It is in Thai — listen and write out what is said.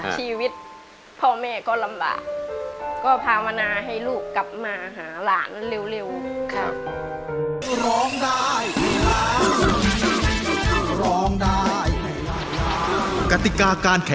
ชีวิตพ่อแม่ก็ลำบาก